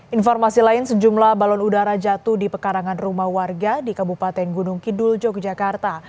informasi lain sejumlah balon udara jatuh di pekarangan rumah warga di kabupaten gunung kidul yogyakarta